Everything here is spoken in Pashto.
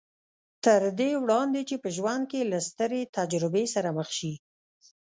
تر دې وړاندې چې په ژوند کې له سترې تجربې سره مخ شي